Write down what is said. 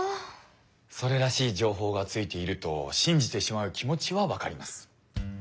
それらしい情報がついていると信じてしまう気持ちはわかります。